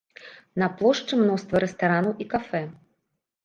На плошчы мноства рэстаранаў і кафэ.